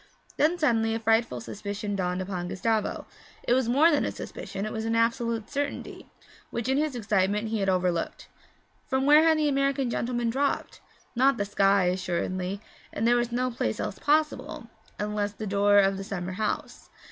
Then suddenly a frightful suspicion dawned upon Gustavo it was more than a suspicion; it was an absolute certainty which in his excitement he had overlooked. From where had the American gentleman dropped? Not the sky, assuredly, and there was no place else possible, unless the door of the summer house.